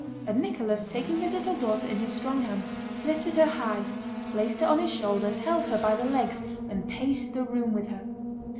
And Nicholas, taking his little daughter in his strong hand, lifted her high, placed her on his shoulder, held her by the legs, and paced the room with her.